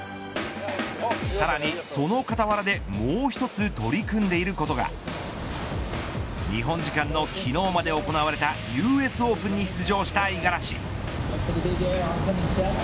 さらに、そのかたわらでもう１つ取り組んでいることが日本時間の昨日まで行われたＵＳオープンに出場した五十嵐。